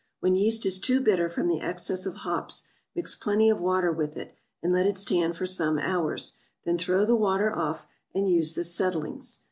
When yeast is too bitter from the excess of hops, mix plenty of water with it, and let it stand for some hours; then throw the water off, and use the settlings.